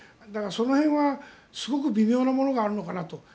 だからその辺はすごく微妙なものがあるのかなと。